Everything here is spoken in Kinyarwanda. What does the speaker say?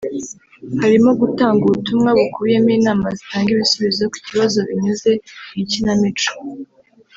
harimo gutanga ubutumwa bukubiyemo inama zitanga ibisubizo ku kibazo binyuze mu ikinamico